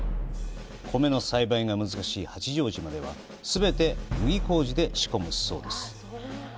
米の栽培が難しい八丈島では、全て麦麹で仕込むそうです。